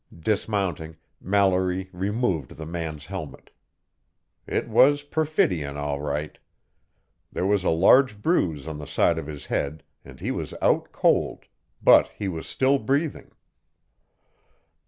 Dismounting, Mallory removed the man's helmet. It was Perfidion all right. There was a large bruise on the side of his head and he was out cold, but he was still breathing.